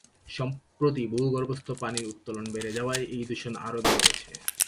সম্প্রতি ভূগর্ভস্থ পানির উত্তোলন বেড়ে যাওয়ায় এই দূষণ আরো বেড়ে গেছে।